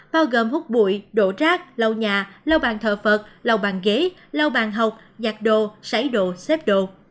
bao gồm hút bụi đổ rác lau nhà lau bàn thợ phật lau bàn ghế lau bàn hộp giặt đồ sấy đồ xếp đồ